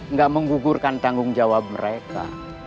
nggak menggugurkan tanggung jawab mereka